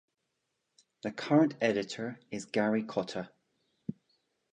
The current editor is Garry Cotter.